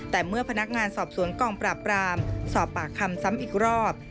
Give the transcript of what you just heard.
แต่เมื่อพนักงานสอบสวนกองปราบรามสอบปากคำซ้ำอีกรอบ